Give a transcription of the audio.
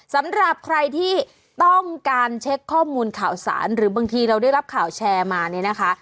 สำหรับใครที่ต้องการเช็คข้อมูลข่าวสารหรือบางทีเราได้รับข่าวแชร์มาเนี่ยนะคะ